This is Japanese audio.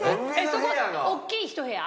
そこおっきいひと部屋？